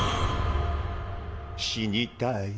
死にたい。